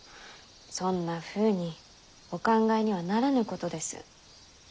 そんなふうにお考えにはならぬことです。